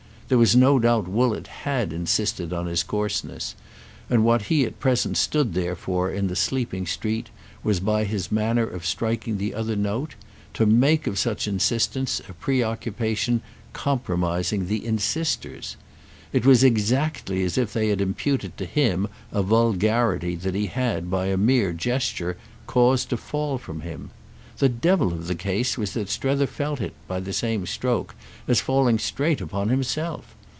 There was no doubt Woollett had insisted on his coarseness; and what he at present stood there for in the sleeping street was, by his manner of striking the other note, to make of such insistence a preoccupation compromising to the insisters. It was exactly as if they had imputed to him a vulgarity that he had by a mere gesture caused to fall from him. The devil of the case was that Strether felt it, by the same stroke, as falling straight upon himself.